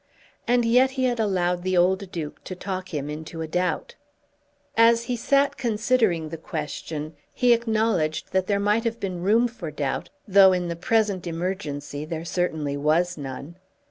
And yet he had allowed the old Duke to talk him into a doubt! As he sat considering the question he acknowledged that there might have been room for doubt, though in the present emergency there certainly was none.